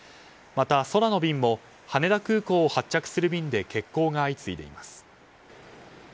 また、空の便も羽田空港を発着する便で欠航が相次いでいます。